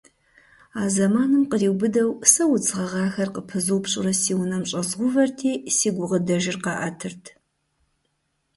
А зэманым къриубыдэу сэ удз гъэгъахэр къыпызупщӀурэ си унэм щӀэзгъэувэрти, си гукъыдэжыр къаӀэтырт.